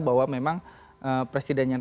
bahwa memang presiden yang